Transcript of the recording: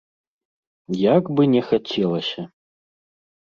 Як бы не хацелася.